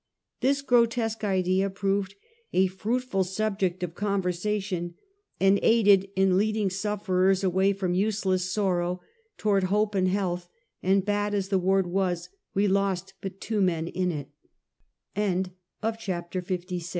This grotesque idea proved a fruitful subject of con versation, and aided in leading sufferers away from useless sorrow, toward hope and health; and bad as the ward was we lost but two men